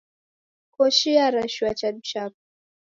Koshi yarashua chadu chapo.